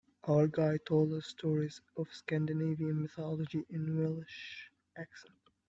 Our guide told us stories of Scandinavian mythology in a Welsh accent.